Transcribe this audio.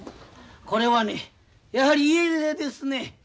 これはねやはり家出ですね。